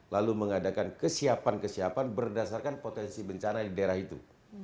lalu mengadakan kesiapan kesiapan berdasarkan potensi bencana di daerah itu